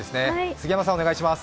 杉山さんお願いします。